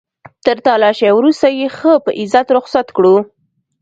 تر تلاشۍ وروسته يې ښه په عزت رخصت کړو.